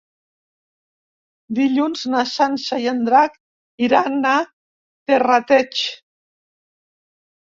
Dilluns na Sança i en Drac iran a Terrateig.